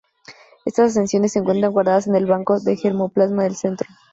Estas accesiones se encuentran guardadas en el Banco de germoplasma del Centro.